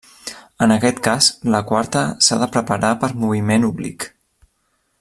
En aquest cas, la quarta s'ha de preparar per moviment oblic.